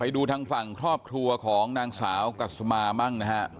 ไปดูทางฝั่งครอบครัวของนางสาวกาสมาบ้างฮะ